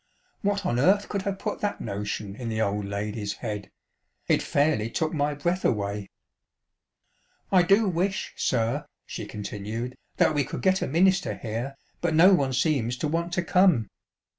What on earth could have put that notion in the old lady's head % It fairly took my breath away. " I do wish, sir," she continued, " that we could get a minister here, but no one seems to want to come.